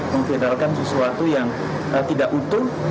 memviralkan sesuatu yang tidak utuh